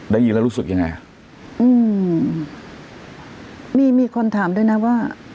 ได้ยินแล้วรู้สึกยังไงอืมมีมีคนถามด้วยนะว่า